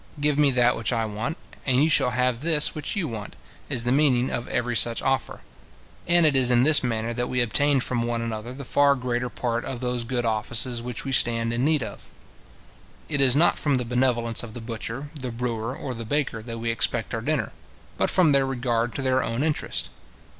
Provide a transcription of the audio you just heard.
Give me that which I want, and you shall have this which you want, is the meaning of every such offer; and it is in this manner that we obtain from one another the far greater part of those good offices which we stand in need of. It is not from the benevolence of the butcher, the brewer, or the baker that we expect our dinner, but from their regard to their own interest.